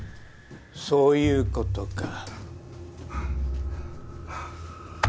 そういうことか。